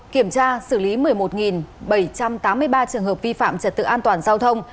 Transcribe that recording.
kiểm tra xử lý một mươi một bảy trăm tám mươi ba trường hợp vi phạm trật tự an toàn giao thông